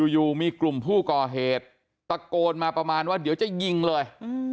อยู่มีกลุ่มผู้ก่อเหตุตะโกนมาประมาณว่าเดี๋ยวจะยิงเลย